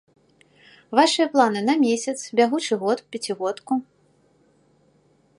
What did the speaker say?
Вашыя планы на месяц, бягучы год, пяцігодку?